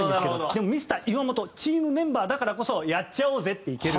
でもミスター岩本チームメンバーだからこそ「やっちゃおうぜ」っていける。